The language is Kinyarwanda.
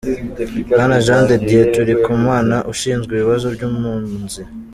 Bwana Jean de Dieu Tulikumana, Ushinzwe Ibibazo by’Impunzi